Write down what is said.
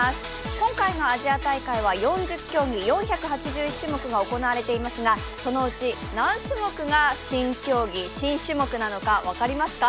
今回のアジア大会は４０競技４８１種目が行われていますが、そのうち何種目が新競技新種目なのか、分かりますか？